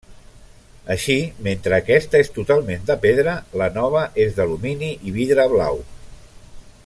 Així mentre aquesta és totalment de pedra, la nova és d'alumini i vidre blau.